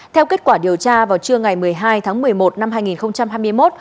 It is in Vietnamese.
theo kết quả điều tra vào trưa ngày một mươi hai tháng một mươi một năm hai nghìn hai mươi một